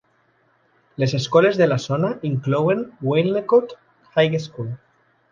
Les escoles de la zona inclouen Wilnecote High School.